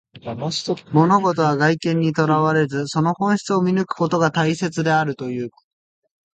物事は外見にとらわれず、その本質を見抜くことが大切であるということ。